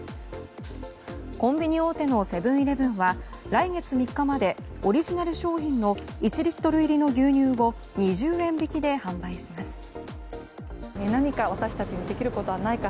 コンビニ大手セブン‐イレブンは来月３日までオリジナル商品の１リットル入りの牛乳を２０円引きで販売します。